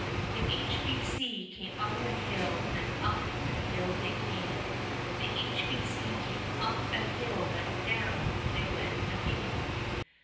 "The H.B.C. came up a hill, and up a hill they came, The H.B.C. came up the hill, but down they went again."